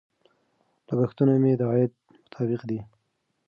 لګښتونه مې د عاید مطابق دي.